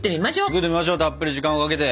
作ってみましょうたっぷり時間をかけて。